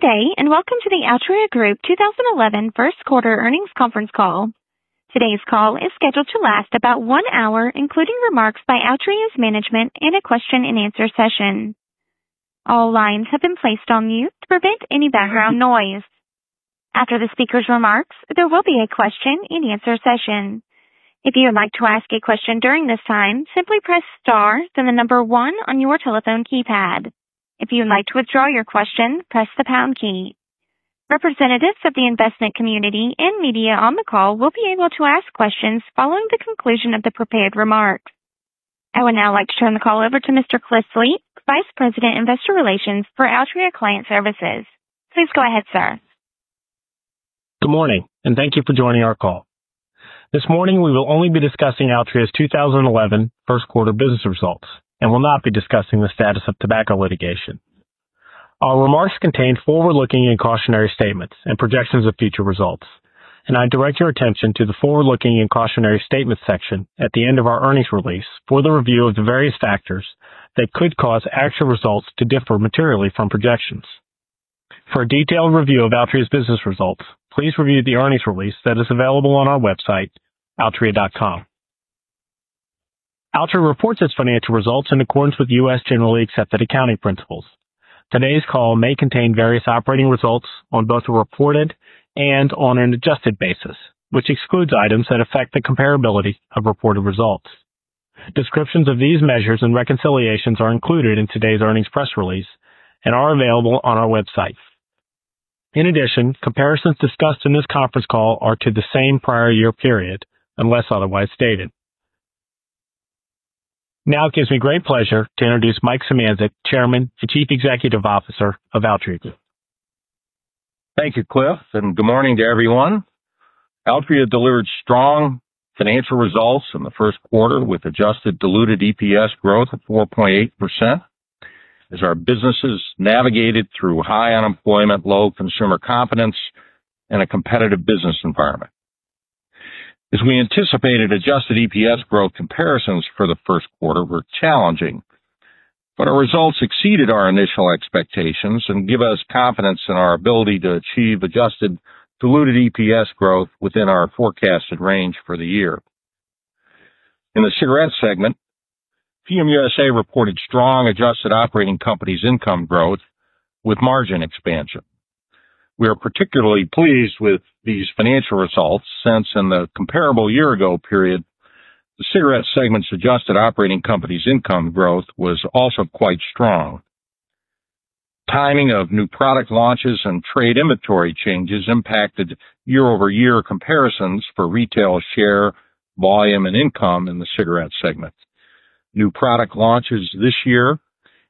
Good day and welcome to the Altria Group 2011 First Quarter Earnings Conference Call. Today's call is scheduled to last about one hour, including remarks by Altria's management and a question and answer session. All lines have been placed on mute to prevent any background noise. After the speaker's remarks, there will be a question and answer session. If you would like to ask a question during this time, simply press star then the number one on your telephone keypad. If you would like to withdraw your question, press the pound key. Representatives of the investment community and media on the call will be able to ask questions following the conclusion of the prepared remarks. I would now like to turn the call over to Mr. Cliff Fleet, Vice President, Investor Relations for Altria Client Services. Please go ahead, sir. Good morning and thank you for joining our call. This morning we will only be discussing Altria 's 2011 First Quarter Business Results and will not be discussing the status of tobacco litigation. Our remarks contain forward-looking and cautionary statements and projections of future results, and I direct your attention to the forward-looking and cautionary statements section at the end of our earnings release for the review of the various factors that could cause actual results to differ materially from projections. For a detailed review of Altria 's business results, please review the earnings release that is available on our website, altria.com. Altria reports its financial results in accordance with U.S. Generally Accepted Accounting Principles. Today's call may contain various operating results on both a reported and on an adjusted basis, which excludes items that affect the comparability of reported results. Descriptions of these measures and reconciliations are included in today's earnings press release and are available on our website. In addition, comparisons discussed in this conference call are to the same prior year period unless otherwise stated. Now it gives me great pleasure to introduce Mike Szymanczyk, Chairman and Chief Executive Officer of Altria Group. Thank you, Cliff, and good morning to everyone. Altria delivered strong financial results in the first quarter with adjusted diluted EPS growth of 4.8% as our businesses navigated through high unemployment, low consumer confidence, and a competitive business environment. As we anticipated, adjusted EPS growth comparisons for the first quarter were challenging, but our results exceeded our initial expectations and give us confidence in our ability to achieve adjusted diluted EPS growth within our forecasted range for the year. In the Cigarette segment, PM USA reported strong adjusted operating company's income growth with margin expansion. We are particularly pleased with these financial results since, in the comparable year ago period, the Cigarette segment's adjusted operating company's income growth was also quite strong. Timing of new product launches and trade inventory changes impacted year-over-year comparisons for retail share, volume, and income in the Cigarette segment. New product launches this year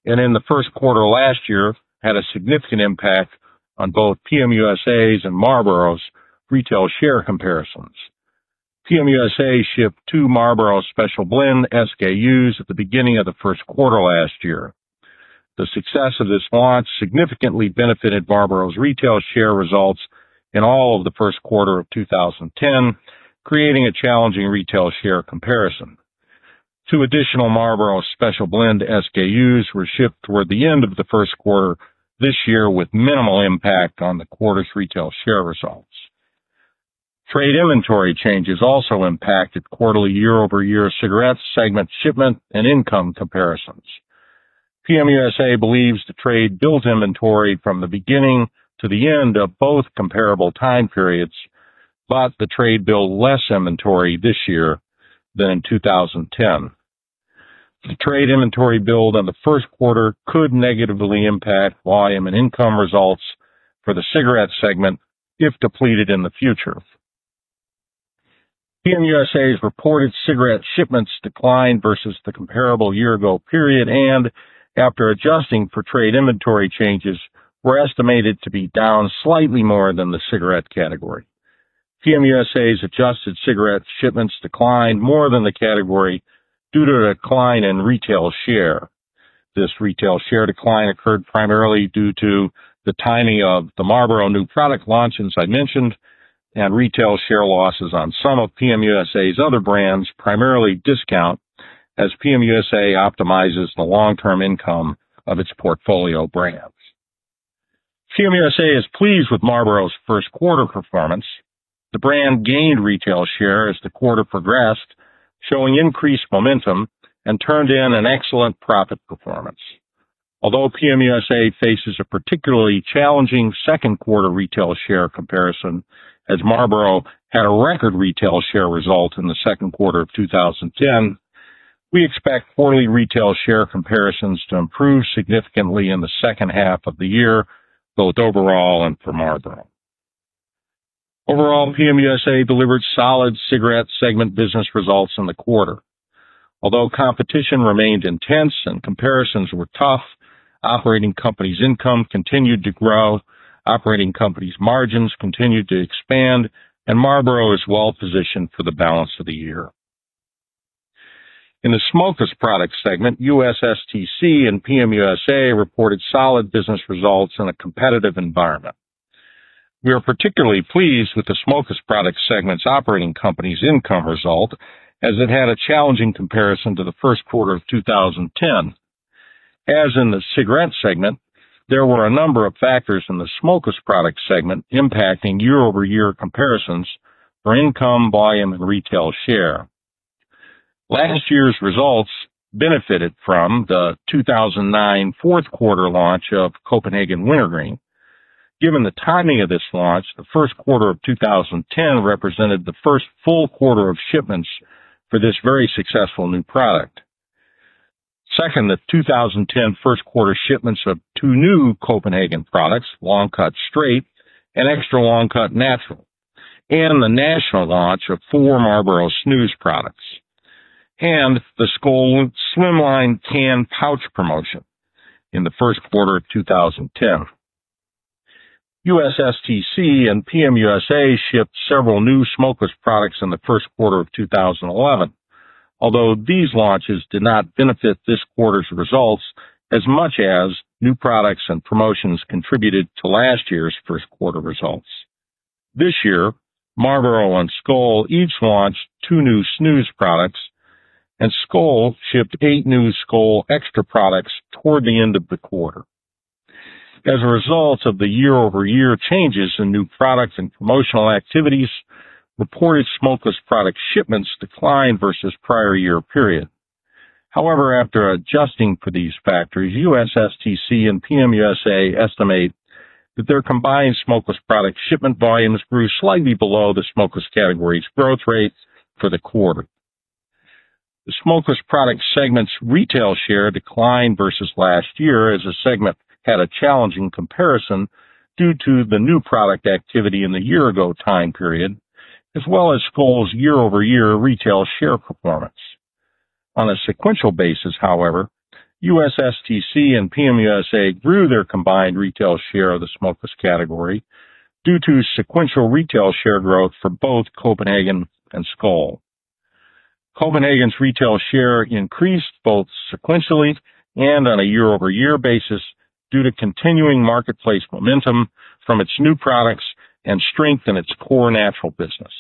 and in the first quarter last year had a significant impact on both PM USA's and Marlboro's retail share comparisons. PM USA shipped two Marlboro Special Blend SKUs at the beginning of the first quarter last year. The success of this launch significantly benefited Marlboro's retail share results in all of the first quarter of 2010, creating a challenging retail share comparison. Two additional Marlboro Special Blend SKUs were shipped toward the end of the first quarter this year with minimal impact on the quarter's retail share results. Trade inventory changes also impacted quarterly year-over-year Cigarette segment shipment and income comparisons. PM USA believes the trade built inventory from the beginning to the end of both comparable time periods, but the trade built less inventory this year than in 2010. The trade inventory build in the first quarter could negatively impact volume and income results for the Cigarette segment if depleted in the future. PM USA's reported cigarette shipments declined versus the comparable year ago period and, after adjusting for trade inventory changes, were estimated to be down slightly more than the cigarette category. PM USA's adjusted cigarette shipments declined more than the category due to a decline in retail share. This retail share decline occurred primarily due to the timing of the Marlboro new product launches I mentioned and retail share losses on some of PM USA's other brands, primarily Discount, as PM USA optimizes the long-term income of its portfolio brands. PM USA is pleased with Marlboro's first quarter performance. The brand gained retail share as the quarter progressed, showing increased momentum and turned in an excellent profit performance. Although PM USA faces a particularly challenging second quarter retail share comparison as Marlboro had a record retail share result in the second quarter of 2010, we expect quarterly retail share comparisons to improve significantly in the second half of the year, both overall and for Marlboro. Overall, PM USA delivered solid Cigarette segment business results in the quarter. Although competition remained intense and comparisons were tough, operating company's income continued to grow, operating company's margins continued to expand, and Marlboro is well positioned for the balance of the year. In the Smokeless Products segment, USSTC and PM USA reported solid business results in a competitive environment. We are particularly pleased with the Smokeless Products segment's operating company's income result as it had a challenging comparison to the first quarter of 2010. As in the Cigarette segment, there were a number of factors in the Smokeless Products segment impacting year-over-year comparisons for income, volume, and retail share. Last year's results benefited from the 2009 fourth quarter launch of Copenhagen Wintergreen. Given the timing of this launch, the first quarter of 2010 represented the first full quarter of shipments for this very successful new product. Second, the 2010 first quarter shipments of two new Copenhagen products, Long Cut Straight and Extra Long Cut Natural, and the national launch of four Marlboro Snooze products, and the Skoal Slimline can pouch promotion in the first quarter of 2010. USSTC and PM USA shipped several new Smokeless products in the first quarter of 2011, although these launches did not benefit this quarter's results as much as new products and promotions contributed to last year's first quarter results. This year, Marlboro and Skoal each launched two new Snooze products, and Skoal shipped eight new Skoal Xtra products toward the end of the quarter. As a result of the year-over-year changes in new products and promotional activities, reported Smokeless Product shipments declined versus prior year period. However, after adjusting for these factors, USSTC and PM USA estimate that their combined Smokeless Product shipment volumes grew slightly below the Smokeless category's growth rate for the quarter. The Smokeless Product segment's retail share declined versus last year as the segment had a challenging comparison due to the new product activity in the year-ago time period as well as Skoal's year-over-year retail share performance. On a sequential basis, however, USSTC and PM USA grew their combined retail share of the Smokeless category due to sequential retail share growth for both Copenhagen and Skoal. Copenhagen's retail share increased both sequentially and on a year-over-year basis due to continuing marketplace momentum from its new products and strength in its core natural business.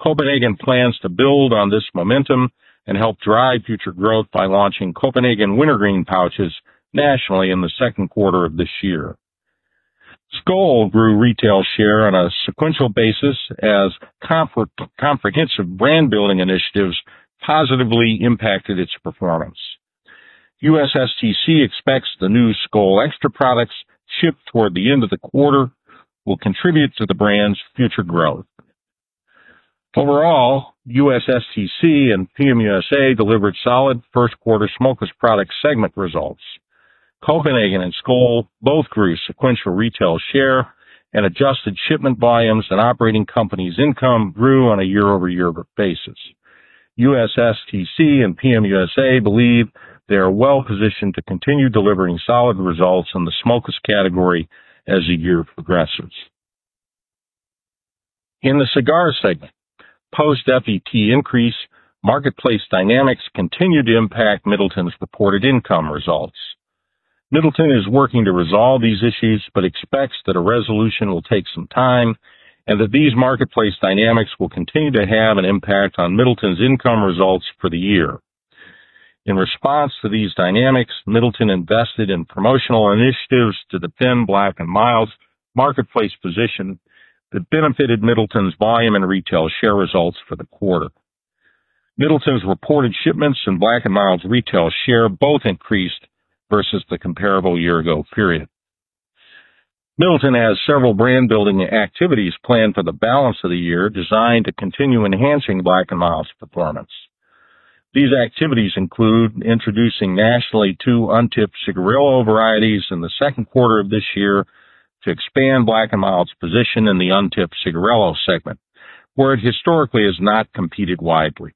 Copenhagen plans to build on this momentum and help drive future growth by launching Copenhagen Wintergreen pouches nationally in the second quarter of this year. Skoal grew retail share on a sequential basis as comprehensive brand building initiatives positively impacted its performance. USSTC expects the new Skoal Xtra products shipped toward the end of the quarter will contribute to the brand's future growth. Overall, USSTC and PM USA delivered solid first quarter Smokeless Product segment results. Copenhagen and Skoal both grew sequential retail share, and adjusted shipment volumes and operating company's income grew on a year-over-year basis. USSTC and PM USA believe they are well positioned to continue delivering solid results in the Smokeless category as the year progresses. In the Cigar segment, post-FET increase, marketplace dynamics continue to impact Middleton's reported income results. Middleton is working to resolve these issues but expects that a resolution will take some time and that these marketplace dynamics will continue to have an impact on Middleton's income results for the year. In response to these dynamics, Middleton invested in promotional initiatives to defend Black & Mild's marketplace position that benefited Middleton's volume and retail share results for the quarter. Middleton's reported shipments and Black & Mild's retail share both increased versus the comparable year-ago period. Middleton has several brand building activities planned for the balance of the year designed to continue enhancing Black & Mild's performance. These activities include introducing nationally two untipped cigarillo varieties in the second quarter of this year to expand Black & Mild's position in the Untipped Cigarillo segment, where it historically has not competed widely.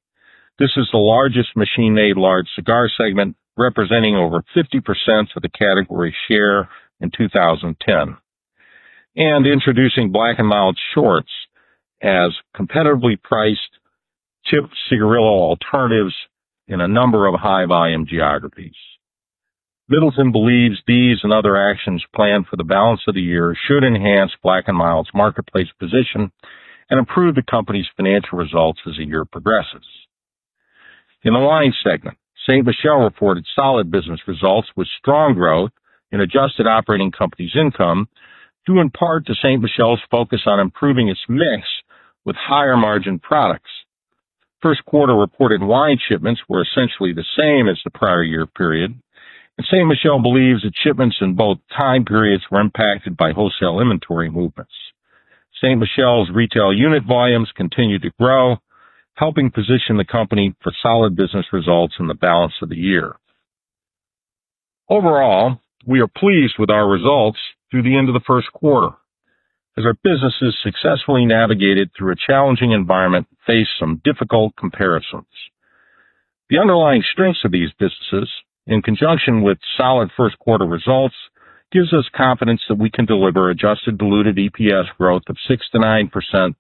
This is the largest machine-made large Cigar segment, representing over 50% of the category share in 2010, and introducing Black & Mild shorts as competitively priced tipped cigarillo alternatives in a number of high-volume geographies. Middleton believes these and other actions planned for the balance of the year should enhance Black & Mild's marketplace position and improve the company's financial results as the year progresses. In the Wine segment, Ste. Michelle reported solid business results with strong growth in adjusted operating company's income due in part to Ste. Michelle's focus on improving its mix with higher margin products. First quarter reported Wine shipments were essentially the same as the prior year period, and Ste. Michelle believes that shipments in both time periods were impacted by wholesale inventory movements. Ste. Michelle's retail unit volumes continue to grow, helping position the company for solid business results in the balance of the year. Overall, we are pleased with our results through the end of the first quarter as our businesses successfully navigated through a challenging environment and faced some difficult comparisons. The underlying strengths of these businesses, in conjunction with solid first quarter results, give us confidence that we can deliver adjusted diluted EPS growth of 6%- 9%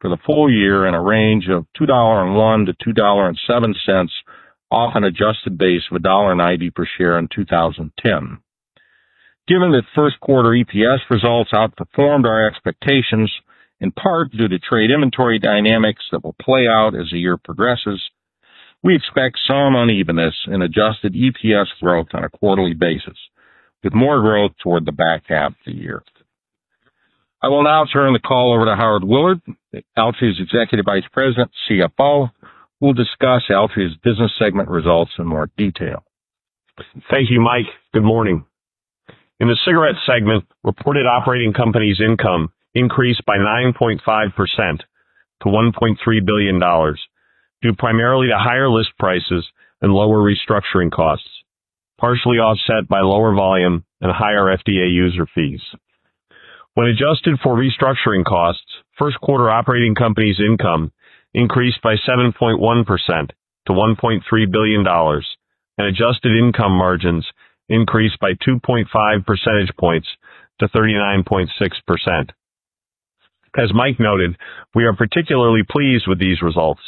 for the full year in a range of $2.01- $2.07, off an adjusted base of $1.90 per share in 2010. Given that first quarter EPS results outperformed our expectations, in part due to trade inventory dynamics that will play out as the year progresses, we expect some unevenness in adjusted EPS growth on a quarterly basis, with more growth toward the back half of the year. I will now turn the call over to Howard Willard, Altria's Executive Vice President, CFO, who will discuss Altria's business segment results in more detail. Thank you, Mike. Good morning. In the Cigarette segment, reported operating company's income increased by 9.5% to $1.3 billion due primarily to higher list prices and lower restructuring costs, partially offset by lower volume and higher FDA user fees. When adjusted for restructuring costs, first quarter operating company's income increased by 7.1% to $1.3 billion, and adjusted income margins increased by 2.5 percentage points to 39.6%. As Mike noted, we are particularly pleased with these results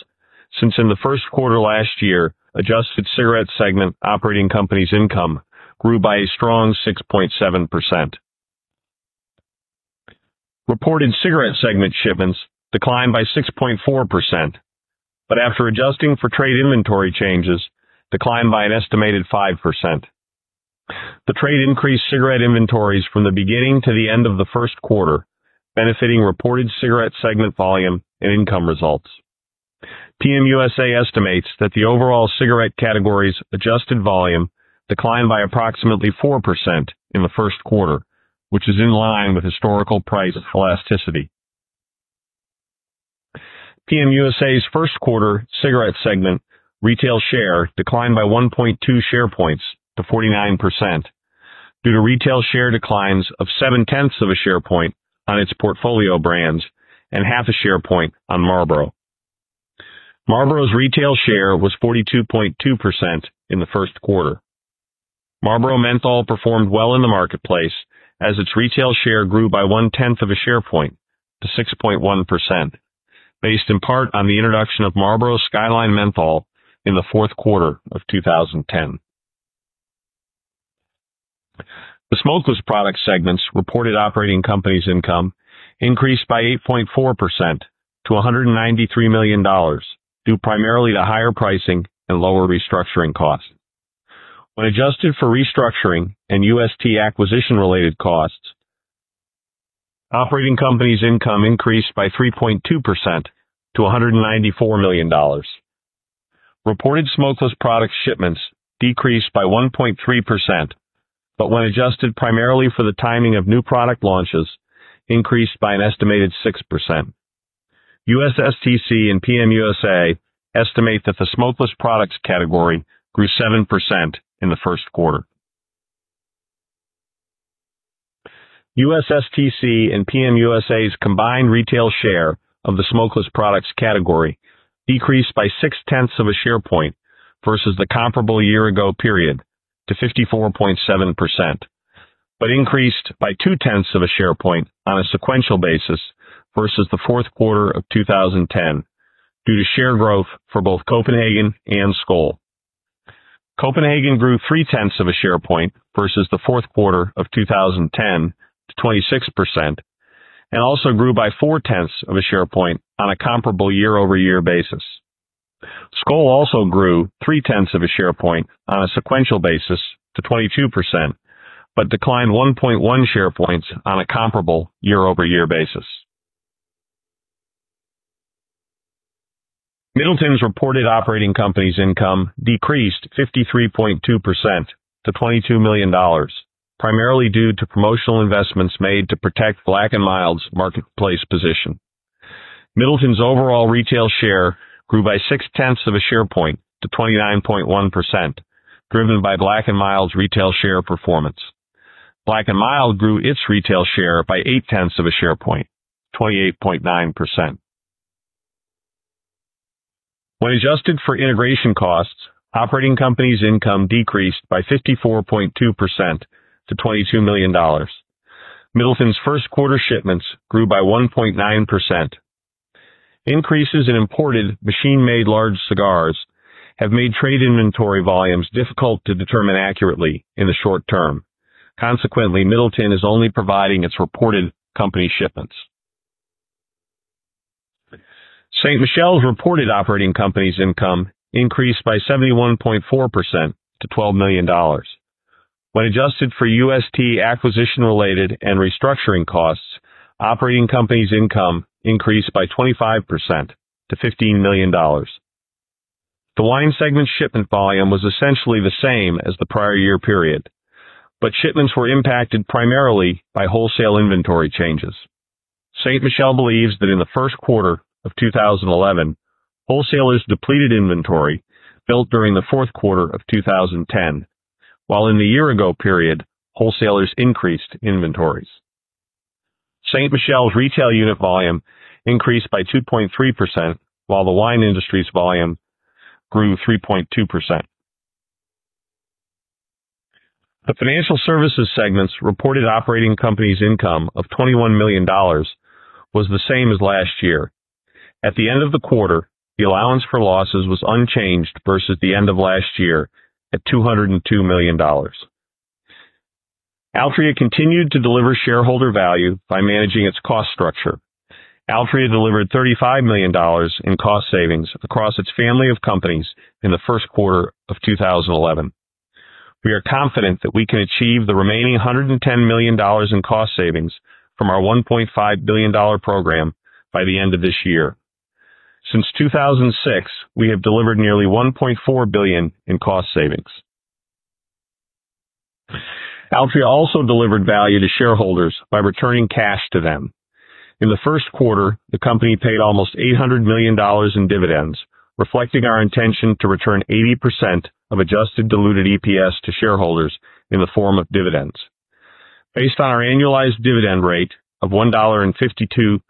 since, in the first quarter last year, adjusted Cigarette segment operating company's income grew by a strong 6.7%. Reported Cigarette segment shipments declined by 6.4%, but after adjusting for trade inventory changes, declined by an estimated 5%. The trade increased cigarette inventories from the beginning to the end of the first quarter, benefiting reported Cigarette segment volume and income results. PM USA estimates that the overall cigarette category's adjusted volume declined by approximately 4% in the first quarter, which is in line with historical price elasticity. PM USA's first quarter Cigarette segment retail share declined by 1.2 share points to 49% due to retail share declines of 7/10 of a share point on its portfolio brands and 5/10 a share point on Marlboro. Marlboro's retail share was 42.2% in the first quarter. Marlboro Menthol performed well in the marketplace as its retail share grew by 0.1 of a share point to 6.1%, based in part on the introduction of Marlboro Skyline Menthol in the fourth quarter of 2010. The Smokeless Product segment's reported operating company's income increased by 8.4% to $193 million due primarily to higher pricing and lower restructuring costs. When adjusted for restructuring and UST acquisition-related costs, operating company's income increased by 3.2% to $194 million. Reported Smokeless Product shipments decreased by 1.3%, but when adjusted primarily for the timing of new product launches, increased by an estimated 6%. USSTC and PM USA estimate that the Smokeless Products category grew 7% in the first quarter. USSTC and PM USA's combined retail share of the Smokeless Products category decreased by 0.6 of a share point versus the comparable year-ago period to 54.7%, but increased by 0.2 of a share point on a sequential basis versus the fourth quarter of 2010 due to share growth for both Copenhagen and Skoal. Copenhagen grew 0.3 of a share point versus the fourth quarter of 2010 to 26% and also grew by 0.4 of a share point on a comparable year-over-year basis. Skoal also grew 0.3 of a share point on a sequential basis to 22% but declined 1.1 share points on a comparable year-over-year basis. Middleton's reported operating company's income decreased 53.2% to $22 million, primarily due to promotional investments made to protect Black & Mild's marketplace position. Middleton's overall retail share grew by 0.6 of a share point to 29.1%, driven by Black & Mild's retail share performance. Black & Mild grew its retail share by 0.8 of a share point, 28.9%. When adjusted for integration costs, operating company's income decreased by 54.2% to $22 million. Middleton's first quarter shipments grew by 1.9%. Increases in imported machine-made large cigars have made trade inventory volumes difficult to determine accurately in the short term. Consequently, Middleton is only providing its reported company shipments. Ste. Michelle's reported operating company's income increased by 71.4% to $12 million. When adjusted for UST acquisition-related and restructuring costs, operating company's income increased by 25% to $15 million. The Wine segment's shipment volume was essentially the same as the prior year period, but shipments were impacted primarily by wholesale inventory changes. Ste. Michelle believes that in the first quarter of 2011, wholesalers depleted inventory built during the fourth quarter of 2010, while in the year-ago period, wholesalers increased inventories. Ste. Michelle's retail unit volume increased by 2.3%, while the wine industry's volume grew 3.2%. The Financial Services segment's reported operating company's income of $21 million was the same as last year. At the end of the quarter, the allowance for losses was unchanged versus the end of last year at $202 million. Altria continued to deliver shareholder value by managing its cost structure. Altria delivered $35 million in cost savings across its family of companies in the first quarter of 2011. We are confident that we can achieve the remaining $110 million in cost savings from our $1.5 billion program by the end of this year. Since 2006, we have delivered nearly $1.4 billion in cost savings. Altria also delivered value to shareholders by returning cash to them. In the first quarter, the company paid almost $800 million in dividends, reflecting our intention to return 80% of adjusted diluted EPS to shareholders in the form of dividends. Based on our annualized dividend rate of $1.52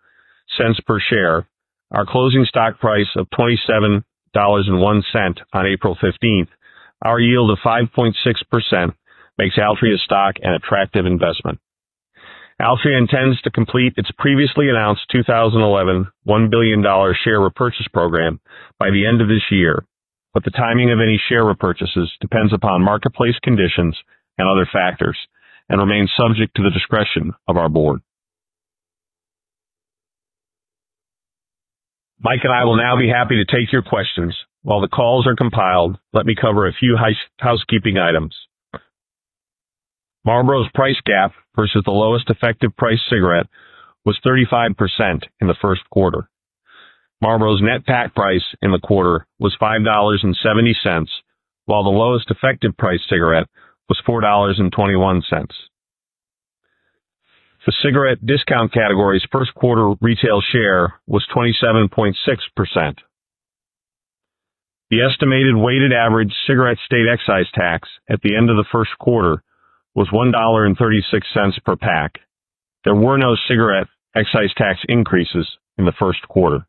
per share, our closing stock price of $27.01 on April 15th, our yield of 5.6% makes Altria 's stock an attractive investment. Altria intends to complete its previously announced 2011 $1 billion share repurchase program by the end of this year, but the timing of any share repurchases depends upon marketplace conditions and other factors and remains subject to the discretion of our Board. Mike and I will now be happy to take your questions. While the calls are compiled, let me cover a few housekeeping items. Marlboro's price gap versus the lowest effective price cigarette was 35% in the first quarter. Marlboro's net pack price in the quarter was $5.70, while the lowest effective price cigarette was $4.21. The cigarette discount category's first quarter retail share was 27.6%. The estimated weighted average cigarette state excise tax at the end of the first quarter was $1.36 per pack. There were no cigarette excise tax increases in the first quarter.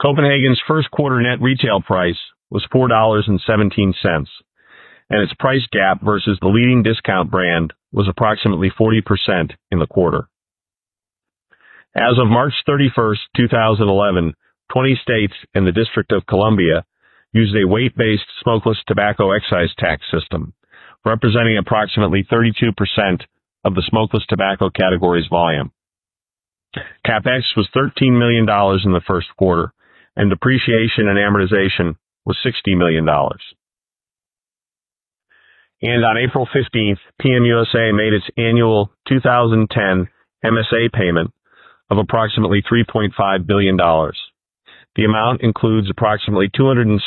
Copenhagen's first quarter net retail price was $4.17, and its price gap versus the leading discount brand was approximately 40% in the quarter. As of March 31st, 2011, 20 states in the District of Columbia used a weight-based Smokeless Tobacco excise tax system, representing approximately 32% of the Smokeless Tobacco category's volume. CapEx was $13 million in the first quarter, and depreciation and amortization was $60 million. On April 15th, PM USA made its annual 2010 MSA payment of approximately $3.5 billion. The amount includes approximately $267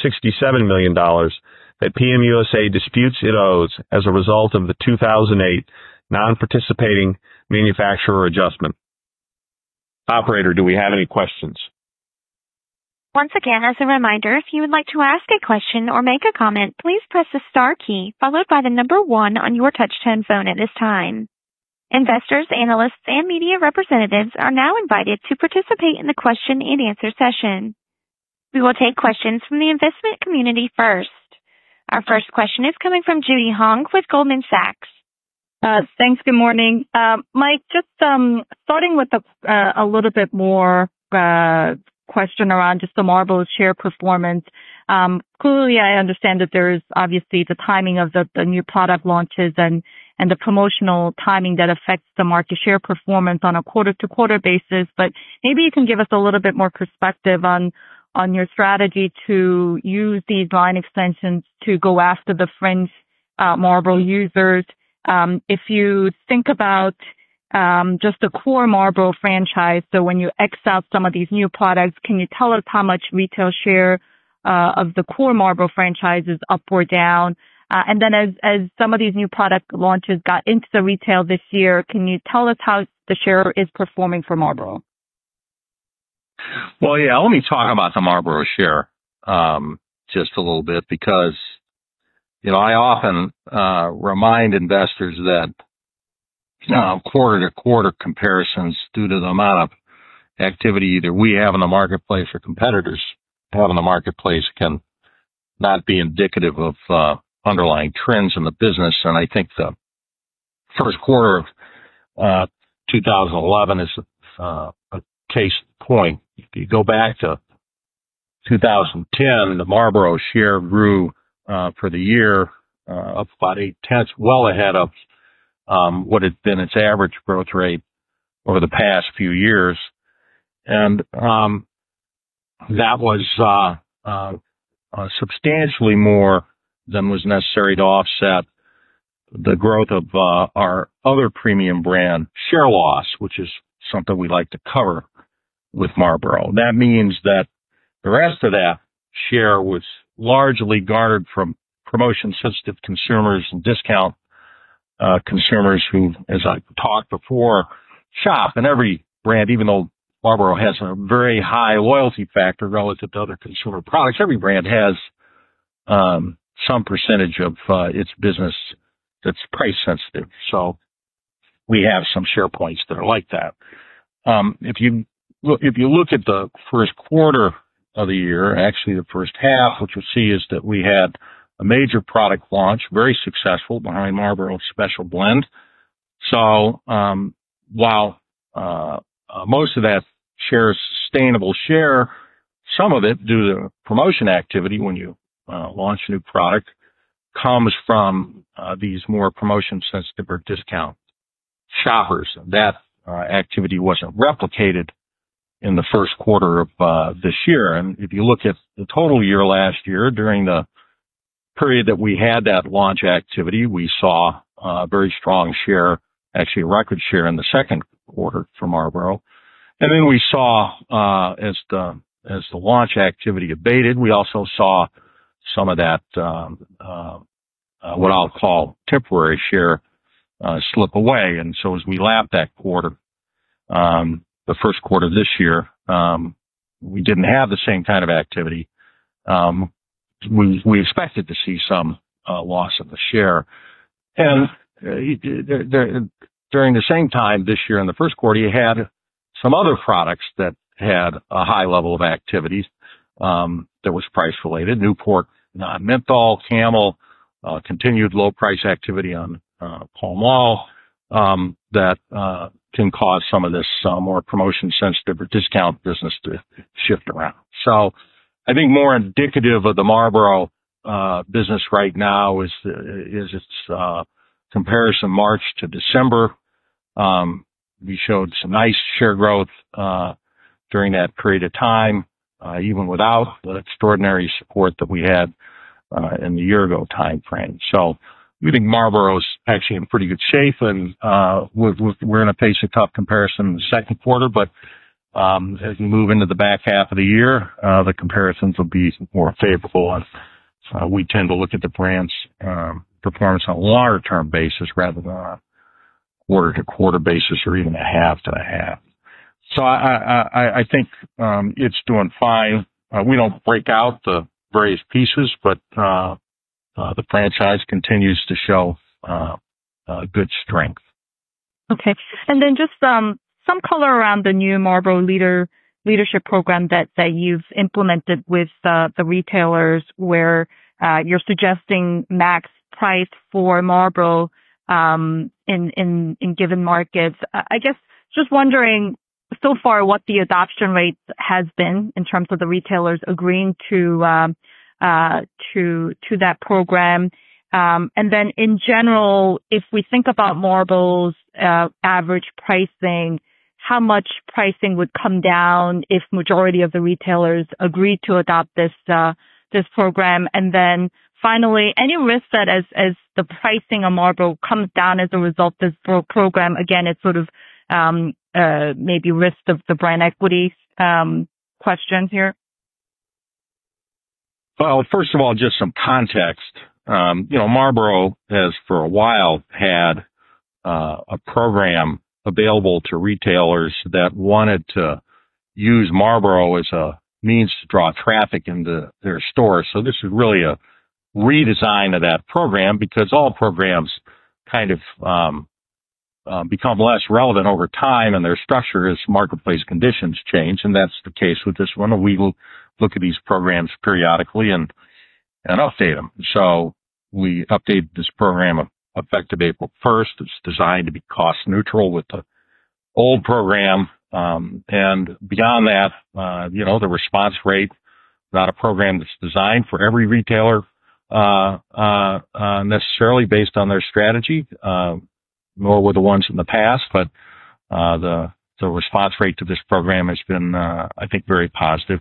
million that PM USA disputes it owes as a result of the 2008 non-participating manufacturer adjustment. Operator, do we have any questions? Once again, as a reminder, if you would like to ask a question or make a comment, please press the star key followed by the number one on your touch-tone phone at this time. Investors, analysts, and media representatives are now invited to participate in the question and answer session. We will take questions from the investment community first. Our first question is coming from Judy Hong with Goldman Sachs. Thanks. Good morning. Mike, just starting with a little bit more of a question around just the Marlboro's share performance. Clearly, I understand that there is obviously the timing of the new product launches and the promotional timing that affects the market share performance on a quarter-to-quarter basis, but maybe you can give us a little bit more perspective on your strategy to use these line extensions to go after the fringe Marlboro users. If you think about just the core Marlboro franchise, so when you X out some of these new products, can you tell us how much retail share of the core Marlboro franchise is up or down? As some of these new product launches got into the retail this year, can you tell us how the share is performing for Marlboro? Let me talk about the Marlboro share just a little bit because I often remind investors that quarter-to-quarter comparisons, due to the amount of activity either we have in the marketplace or competitors have in the marketplace, cannot be indicative of underlying trends in the business. I think the first quarter of 2011 is a case in point. If you go back to 2010, the Marlboro share grew for the year up about 0.8, well ahead of what had been its average growth rate over the past few years. That was substantially more than was necessary to offset the growth of our other premium brand share loss, which is something we like to cover with Marlboro. That means that the rest of that share was largely garnered from promotion-sensitive consumers and discount consumers who, as I've talked before, shop. Every brand, even though Marlboro has a very high loyalty factor relative to other consumer products, has some percentage of its business that's price-sensitive. We have some share points that are like that. If you look at the first quarter of the year, actually the first half, what you'll see is that we had a major product launch, very successful behind Marlboro Special Blend. While most of that share is sustainable share, some of it, due to promotion activity when you launch a new product, comes from these more promotion-sensitive or discount shoppers. That activity wasn't replicated in the first quarter of this year. If you look at the total year last year, during the period that we had that launch activity, we saw a very strong share, actually a record share in the second quarter for Marlboro. As the launch activity abated, we also saw some of that, what I'll call temporary share, slip away. As we lapped that quarter, the first quarter of this year, we didn't have the same kind of activity. We expected to see some loss of the share. During the same time this year in the first quarter, you had some other products that had a high level of activity that was price-related: Newport, Menthol, Camel, continued low-price activity on Pall Mall that can cause some of this more promotion-sensitive or discount business to shift around. I think more indicative of the Marlboro business right now is its comparison March- December. We showed some nice share growth during that period of time, even without the extraordinary support that we had in the year-ago timeframe. We think Marlboro is actually in pretty good shape, and we're going to face a tough comparison in the second quarter. As we move into the back half of the year, the comparisons will be more favorable. We tend to look at the brand's performance on a longer-term basis rather than on a quarter-to-quarter basis or even a half-to-a-half. I think it's doing fine. We don't break out the various pieces, but the franchise continues to show good strength. Okay. Just some color around the new Marlboro Leadership Program that you've implemented with the retailers where you're suggesting max price for Marlboro in given markets. I guess just wondering so far what the adoption rate has been in terms of the retailers agreeing to that program. In general, if we think about Marlboro's average pricing, how much pricing would come down if the majority of the retailers agreed to adopt this program? Finally, any risks that as the pricing of Marlboro comes down as a result of this program? Again, it's sort of maybe risk of the brand equity question here. First of all, just some context. You know Marlboro has for a while had a program available to retailers that wanted to use Marlboro as a means to draw traffic into their stores. This is really a redesign of that program because all programs kind of become less relevant over time and their structure as marketplace conditions change. That's the case with this one. We look at these programs periodically and update them. We updated this program effective April 1st. It's designed to be cost neutral with the old program. Beyond that, you know the response rate, not a program that's designed for every retailer necessarily based on their strategy, nor were the ones in the past. The response rate to this program has been, I think, very positive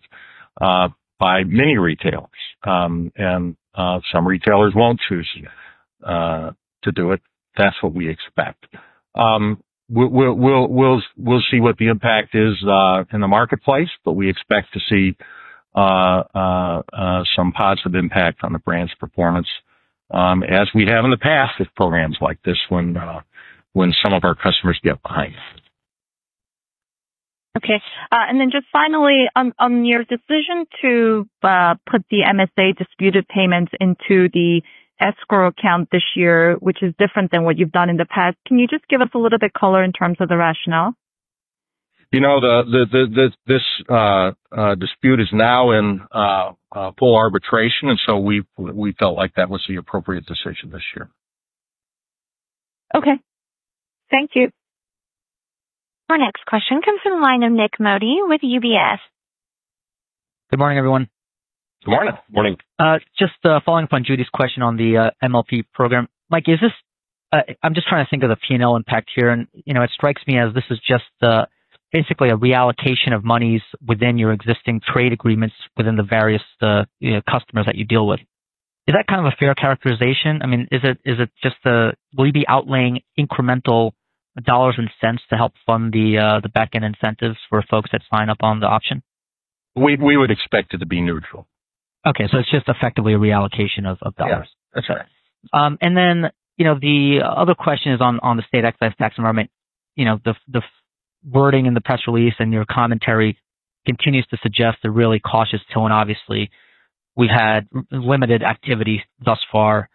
by many retailers, and some retailers won't choose to do it. That's what we expect. We'll see what the impact is in the marketplace, but we expect to see some positive impact on the brand's performance as we have in the past with programs like this one when some of our customers get behind it. Okay. Finally, on your decision to put the MSA disputed payments into the escrow account this year, which is different than what you've done in the past, can you just give us a little bit of color in terms of the rationale? You know this dispute is now in full arbitration, and we felt like that was the appropriate decision this year. Okay, thank you. Our next question comes from the line of Nik Modi with UBS Investment Bank. Good morning, everyone. Good morning. Morning. Just following up on Judy's question on the MLP program. Mike, is this, I'm just trying to think of the P&L impact here, and you know it strikes me as this is just basically a reallocation of monies within your existing trade agreements within the various customers that you deal with. Is that kind of a fair characterization? I mean, will you be outlaying incremental dollars and cents to help fund the backend incentives for folks that sign up on the option? We would expect it to be neutral. Okay, it's just effectively a reallocation of dollars. Yes. Okay. The other question is on the state excise tax environment. The wording in the press release and your commentary continues to suggest a really cautious tone. Obviously, we've had limited activity thus far.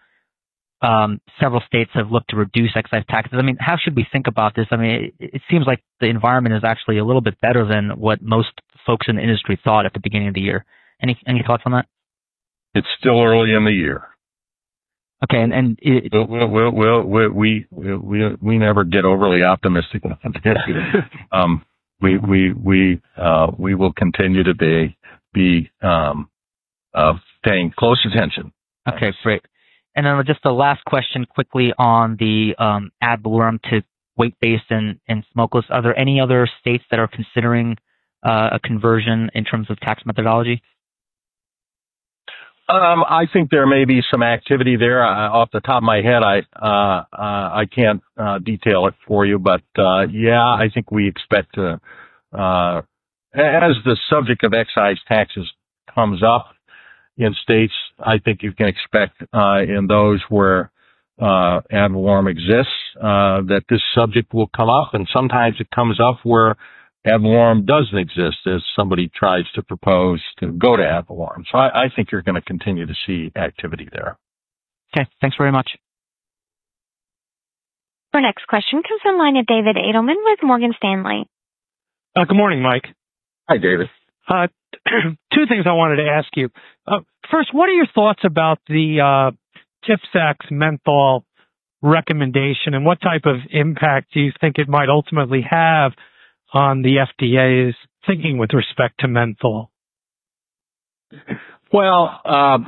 Several states have looked to reduce excise taxes. How should we think about this? It seems like the environment is actually a little bit better than what most folks in the industry thought at the beginning of the year. Any thoughts on that? It's still early in the year. Okay. And. We never get overly optimistic about this. We will continue to be paying close attention. Great. Just the last question quickly on the ad valorem to weight-based in Smokeless. Are there any other states that are considering a conversion in terms of tax methodology? I think there may be some activity there. Off the top of my head, I can't detail it for you. I think we expect to, as the subject of excise taxes comes up in states, you can expect in those where ad valorem exists that this subject will come up. Sometimes it comes up where ad valorem doesn't exist as somebody tries to propose to go to ad valorem. I think you're going to continue to see activity there. Okay, thanks very much. Our next question comes from the line of David Adelman with Morgan Stanley. Good morning, Mike. Hi, David. Two things I wanted to ask you. First, what are your thoughts about the TPSAC's menthol recommendation, and what type of impact do you think it might ultimately have on the FDA's thinking with respect to menthol? I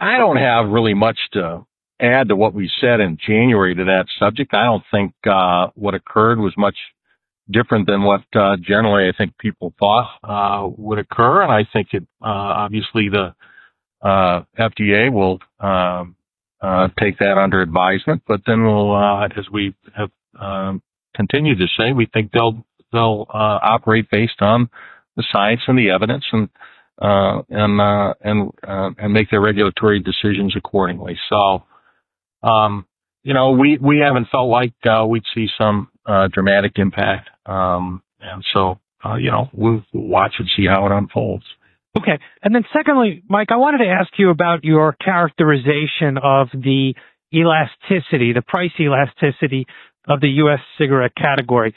don't have much to add to what we said in January to that subject. I don't think what occurred was much different than what generally I think people thought would occur. I think obviously the FDA will take that under advisement. We have continued to say we think they'll operate based on the science and the evidence and make their regulatory decisions accordingly. We haven't felt like we'd see some dramatic impact, and we'll watch and see how it unfolds. Okay. Mike, I wanted to ask you about your characterization of the elasticity, the price elasticity of the U.S. Cigarette category.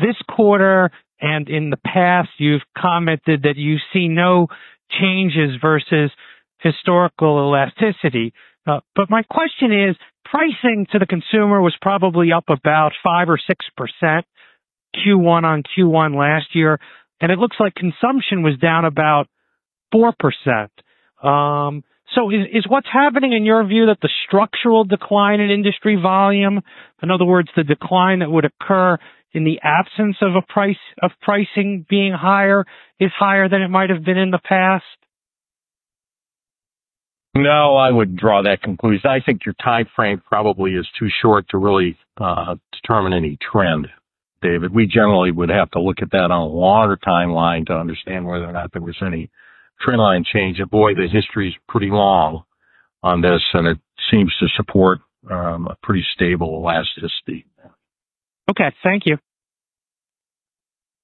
This quarter and in the past, you've commented that you see no changes versus historical elasticity. My question is, pricing to the consumer was probably up about 5% or 6% Q1- on- Q1 last year, and it looks like consumption was down about 4%. Is what's happening in your view that the structural decline in industry volume, in other words, the decline that would occur in the absence of pricing being higher, is higher than it might have been in the past? No, I wouldn't draw that conclusion. I think your timeframe probably is too short to really determine any trend, David. We generally would have to look at that on a longer timeline to understand whether or not there was any trend line change. The history is pretty long on this, and it seems to support a pretty stable elasticity. Okay, thank you.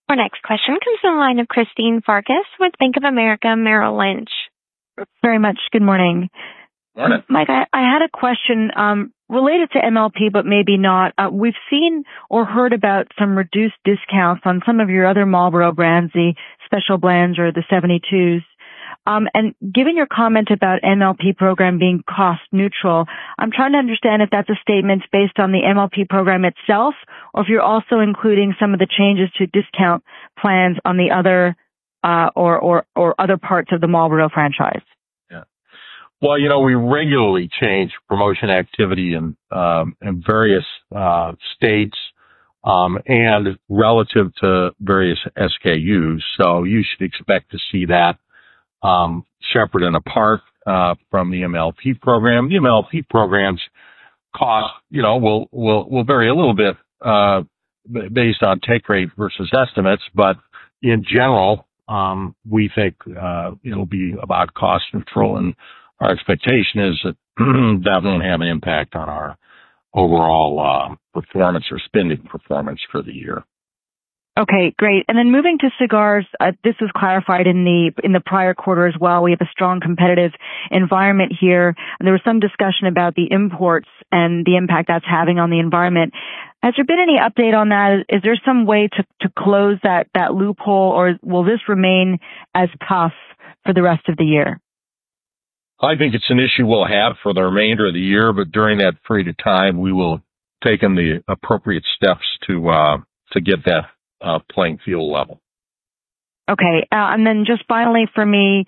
Our next question comes from the line of Christine Farkas with Bank of America Merrill Lynch. very much. Good morning. Morning. Mike, I had a question related to MLP, but maybe not. We've seen or heard about some reduced discounts on some of your other Marlboro brands, the Special Blends or the 72s. Given your comment about the MLP program being cost neutral, I'm trying to understand if that's a statement based on the MLP program itself or if you're also including some of the changes to discount plans on the other parts of the Marlboro franchise. You know we regularly change promotion activity in various states and relative to various SKUs. You should expect to see that separate and apart from the MLP program. The MLP program's cost, you know, will vary a little bit based on take rate versus estimates. In general, we think it'll be about cost neutral, and our expectation is that that won't have an impact on our overall performance or spending performance for the year. Great. Moving to cigars, this was clarified in the prior quarter as well. We have a strong competitive environment here. There was some discussion about the imports and the impact that's having on the environment. Has there been any update on that? Is there some way to close that loophole, or will this remain as tough for the rest of the year? I think it's an issue we'll have for the remainder of the year, but during that period of time, we will have taken the appropriate steps to get that playing field level. Okay. Finally, for me,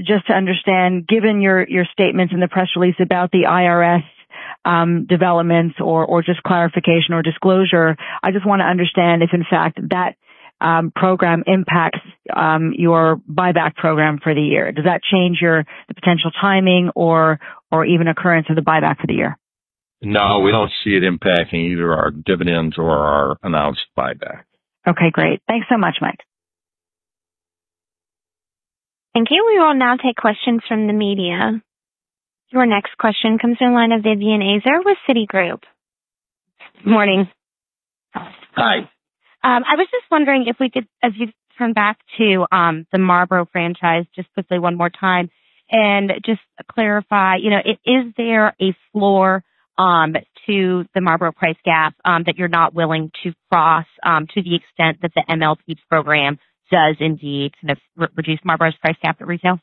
just to understand, given your statements in the press release about the IRS developments or just clarification or disclosure, I just want to understand if, in fact, that program impacts your buyback program for the year. Does that change the potential timing or even occurrence of the buyback for the year? No, we don't see it impacting either our dividends or our announced buyback. Okay. Great. Thanks so much, Mike. Thank you. We will now take questions from the media. Our next question comes from the line of Vivien Azar with Citigroup. Morning. Hi. I was just wondering if we could, as you turn back to the Marlboro franchise just quickly one more time and just clarify, you know, is there a floor to the Marlboro price gap that you're not willing to cross to the extent that the Marlboro Leadership Program does indeed kind of reduce Marlboro's price gap at retail?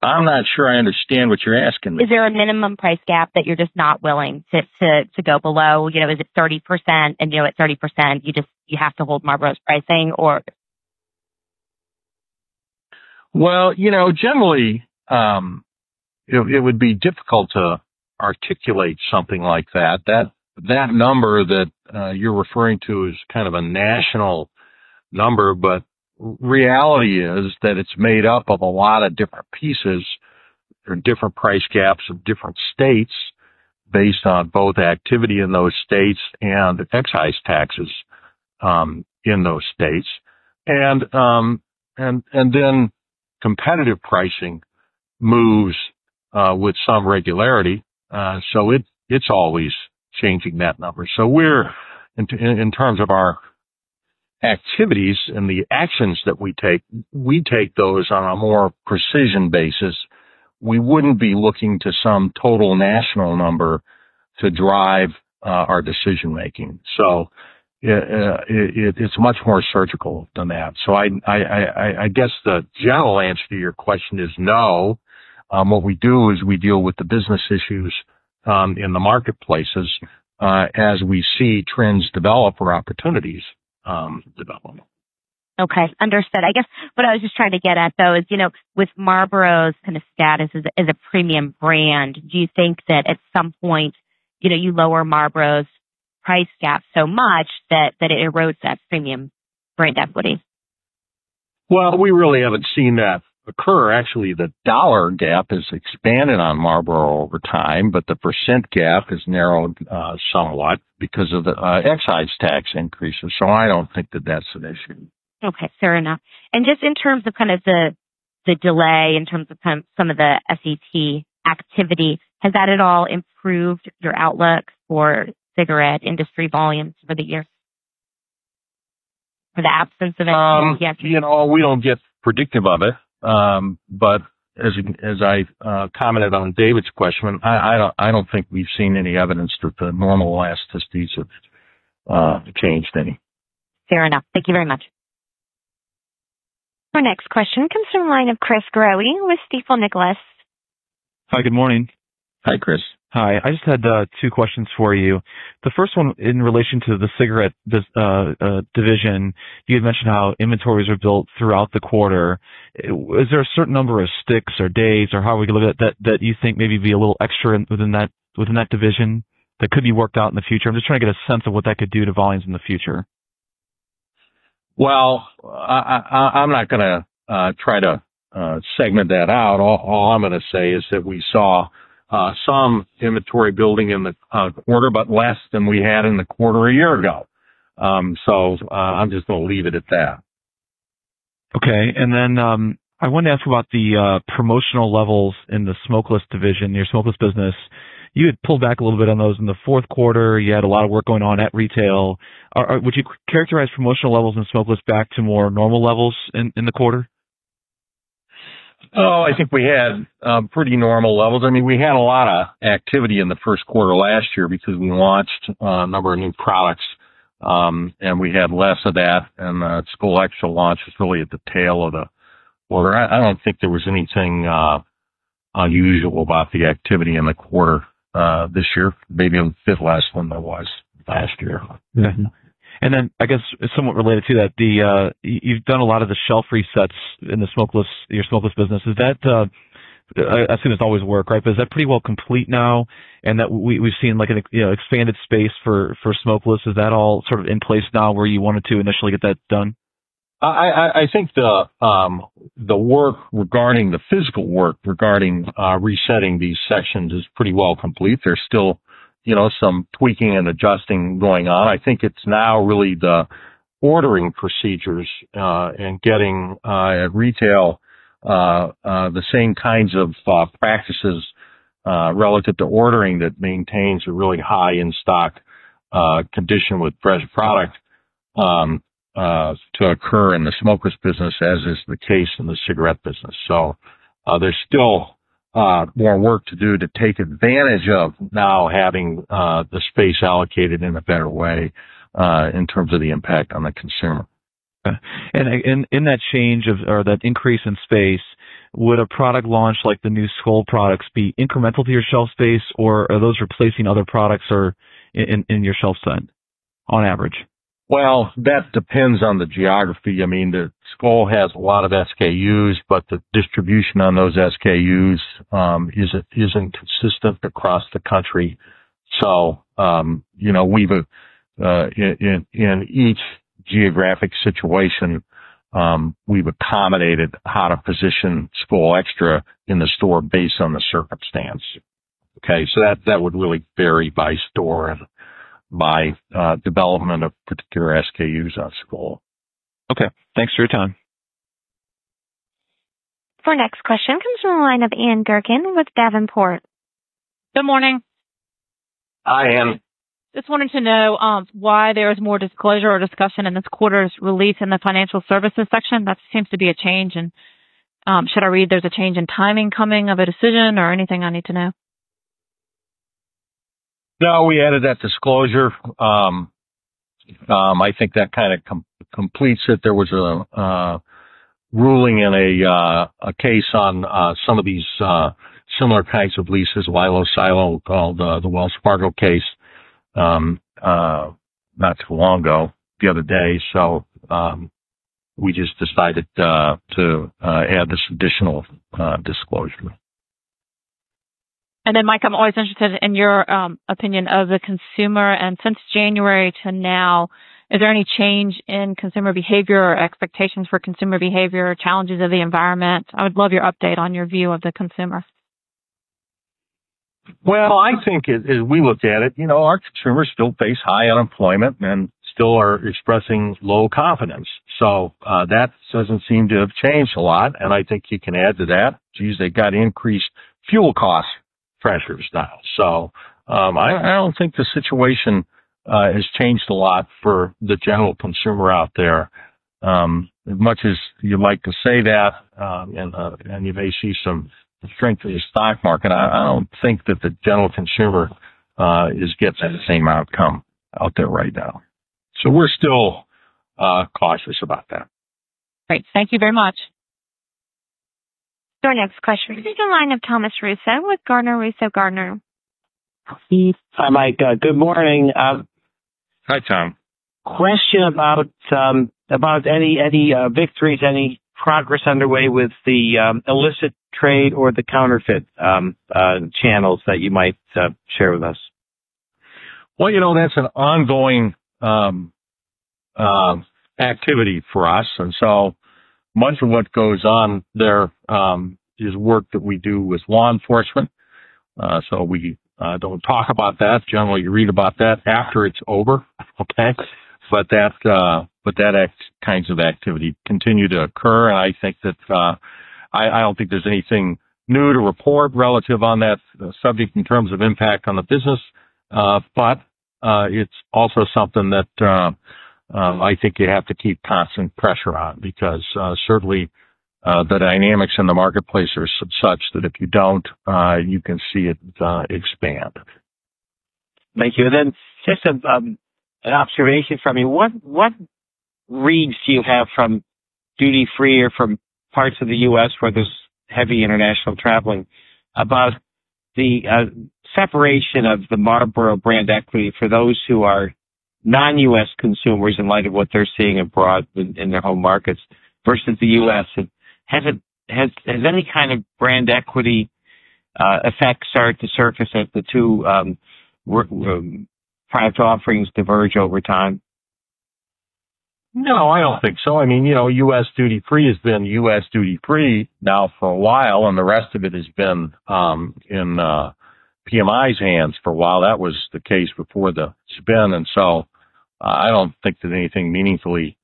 I'm not sure I understand what you're asking me. Is there a minimum price gap that you're just not willing to go below? You know, is it 30%, and you know at 30% you just have to hold Marlboro's pricing, or? Generally, it would be difficult to articulate something like that. That number that you're referring to is kind of a national number, but the reality is that it's made up of a lot of different pieces. There are different price gaps in different states based on both activity in those states and excise taxes in those states. Competitive pricing moves with some regularity, so it's always changing that number. In terms of our activities and the actions that we take, we take those on a more precision basis. We wouldn't be looking to some total national number to drive our decision-making. It's much more surgical than that. I guess the general answer to your question is no. What we do is we deal with the business issues in the marketplaces as we see trends develop or opportunities develop. Okay. Understood. I guess what I was just trying to get at is, you know, with Marlboro's kind of status as a premium brand, do you think that at some point, you know, you lower Marlboro's price gap so much that it erodes that premium brand equity? We really haven't seen that occur. Actually, the dollar gap has expanded on Marlboro over time, but the per cent gap has narrowed somewhat because of the excise tax increases. I don't think that that's an issue. Okay. Fair enough. In terms of the delay in terms of some of the SET activity, has that at all improved your outlook for cigarette industry volumes for the year or the absence of any? You know, we don't get predictive of it, but as I commented on David's question, I don't think we've seen any evidence that the normal elasticities have changed any. Fair enough. Thank you very much. Our next question comes from the line of Chris Growe with Stifel Nicolaus. Hi, good morning. Hi, Chris. Hi. I just had two questions for you. The first one in relation to the Cigarette division, you had mentioned how inventories are built throughout the quarter. Is there a certain number of sticks or days or however we can look at that that you think may be a little extra within that division that could be worked out in the future? I'm just trying to get a sense of what that could do to volumes in the future. I am not going to try to segment that out. All I'm going to say is that we saw some inventory building in the quarter, but less than we had in the quarter a year ago. I am just going to leave it at that. Okay. I wanted to ask about the promotional levels in the Smokeless division, your Smokeless business. You had pulled back a little bit on those in the fourth quarter. You had a lot of work going on at retail. Would you characterize promotional levels in Smokeless back to more normal levels in the quarter? I think we had pretty normal levels. We had a lot of activity in the first quarter last year because we launched a number of new products, and we had less of that. The Skoal Xtra launch was really at the tail of the quarter. I don't think there was anything unusual about the activity in the quarter this year. Maybe it'll fit less than there was last year. I guess somewhat related to that, you've done a lot of the shelf resets in the Smokeless, your Smokeless business. I assume it's always work, right? Is that pretty well complete now? We've seen like an expanded space for Smokeless. Is that all sort of in place now where you wanted to initially get that done? I think the work regarding the physical work regarding resetting these sessions is pretty well complete. There's still some tweaking and adjusting going on. I think it's now really the ordering procedures and getting at retail the same kinds of practices relative to ordering that maintains a really high in-stock condition with fresh product to occur in the Smokeless business, as is the case in the Cigarette business. There's still more work to do to take advantage of now having the space allocated in a better way in terms of the impact on the consumer. Okay. In that change of or that increase in space, would a product launch like the new Skoal products be incremental to your shelf space, or are those replacing other products in your shelf spend on average? That depends on the geography. I mean, Skoal has a lot of SKUs, but the distribution on those SKUs isn't consistent across the country. In each geographic situation, we've accommodated how to position Skoal Xtra in the store based on the circumstance. That would really vary by store and by development of particular SKUs on Skoal. Okay, thanks for your time. Our next question comes from the line of Ann Gurkin with Davenport. Good morning. Hi, Ann. Just wanted to know why there is more disclosure or discussion in this quarter's release in the financial services section. That seems to be a change. Should I read there's a change in timing coming of a decision or anything I need to know? No, we added that disclosure. I think that kind of completes it. There was a ruling in a case on some of these similar kinds of leases, LILO/SILO, called the Wells Fargo case, not too long ago, the other day. We just decided to add this additional disclosure. Mike, I'm always interested in your opinion of the consumer. Since January to now, is there any change in consumer behavior or expectations for consumer behavior, challenges of the environment? I would love your update on your view of the consumer. I think as we looked at it, you know our consumers still face high unemployment and still are expressing low confidence. That doesn't seem to have changed a lot. I think you can add to that they've got increased fuel cost pressures now. I don't think the situation has changed a lot for the general consumer out there. As much as you'd like to say that and you may see some strength in the stock market, I don't think that the general consumer gets the same outcome out there right now. We're still cautious about that. Great, thank you very much. Our next question comes from the line of Thomas Russo with Gardner Russo & Gardner. Hi, Mike. Good morning. Hi, Tom. Question about any victories, any progress underway with the illicit trade or the counterfeit channels that you might share with us. That is an ongoing activity for us. So much of what goes on there is work that we do with law enforcement. We do not talk about that. Generally, you read about that after it is over. That kind of activity continues to occur. I do not think there is anything new to report relative on that subject in terms of impact on the business. It is also something that you have to keep constant pressure on because certainly the dynamics in the marketplace are such that if you do not, you can see it expand. Thank you. Just an observation from you. What reads do you have from duty-free or from parts of the U.S. where there is heavy international traveling about the separation of the Marlboro brand equity for those who are non-U.S. consumers in light of what they are seeing abroad in their home markets versus the U.S.? Has any kind of brand equity effects started to surface as the two product offerings diverge over time? No, I do not think so. U.S. duty-free has been U.S. duty-free now for a while, and the rest of it has been in PMI's hands for a while. That was the case before the spin. I do not think that anything meaningfully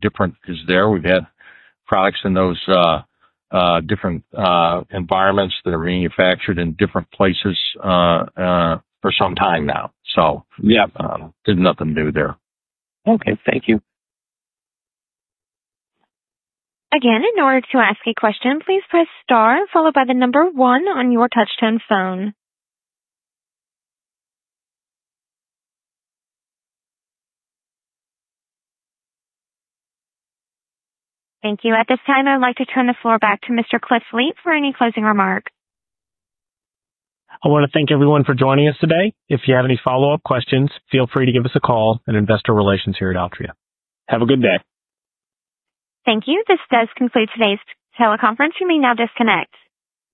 different is there. We have had products in those different environments that are manufactured in different places for some time now. There is nothing new there. Thank you. Again, in order to ask a question, please press star followed by the number one on your touch-tone phone. Thank you. At this time, I would like to turn the floor back to Mr. Cliff Fleet for any closing remarks. I want to thank everyone for joining us today. If you have any follow-up questions, feel free to give us a call at Investor Relations here at Altria. Have a good day. Thank you. This does conclude today's teleconference. You may now disconnect.